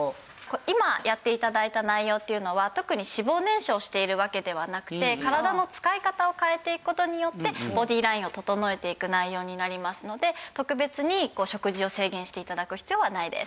今やって頂いた内容っていうのは特に脂肪燃焼しているわけではなくて体の使い方を変えていく事によってボディラインを整えていく内容になりますので特別に食事を制限して頂く必要はないです。